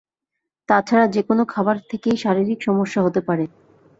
তা ছাড়া যেকোনো খাবার থেকেই শারীরিক সমস্যা হতে পারে।